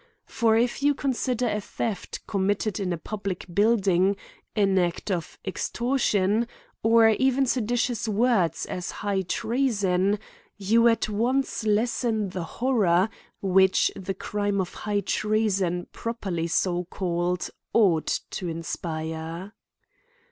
For if you consider a theft committed in a public build ing, an act of extortion, or even seditious words, as high treason, you at once lessen the horror, which the crime of high treason, properly so called^ ftught to inspire.